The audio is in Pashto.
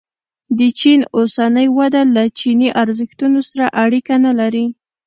د چین اوسنۍ وده له چیني ارزښتونو سره اړیکه نه لري.